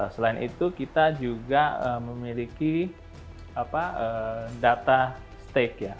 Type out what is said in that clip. selain itu kita juga memiliki data stake ya